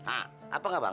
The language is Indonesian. hah apa enggak bang